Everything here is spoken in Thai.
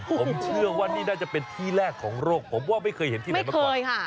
ผมเชื่อว่านี่น่าจะเป็นที่แรกของโลกผมว่าไม่เคยเห็นที่ไหนมาก่อน